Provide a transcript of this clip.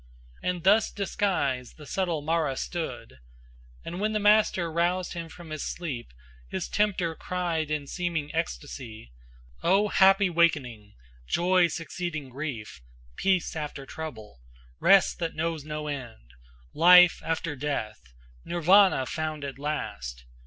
And thus disguised the subtle Mara stood, And when the master roused him from his sleep His tempter cried in seeming ecstasy: "O! happy wakening! joy succeeding grief! Peace after trouble! rest that knows no end! Life after death! Nirvana found at last!